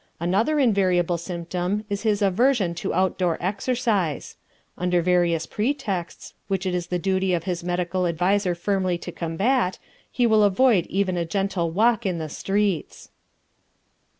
Another invariable symptom is his aversion to outdoor exercise; under various pretexts, which it is the duty of his medical adviser firmly to combat, he will avoid even a gentle walk in the streets.